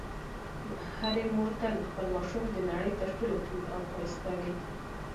هرې مور ته خپل ماشوم د نړۍ تر ټولو خوږ او ښایسته وي.